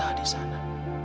tahan di sana